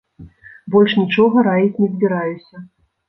Больш нічога раіць не збіраюся.